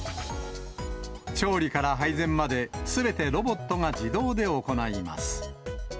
調理から配膳まで、すべてロボットが自動で行います。